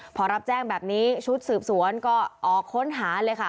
พอรับแจ้งแบบนี้ชุดสืบสวนก็ออกค้นหาเลยค่ะ